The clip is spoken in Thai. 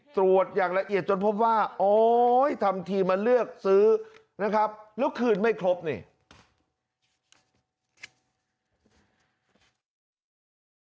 ตรวจอย่างละเอียดจนพบว่าโอ๊ยทำทีมาเลือกซื้อนะครับแล้วคืนไม่ครบนี่